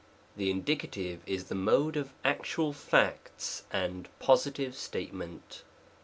The Indicative is the Mode of actual facts, and positive statement.